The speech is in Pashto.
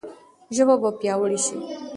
ژبه به پیاوړې شي.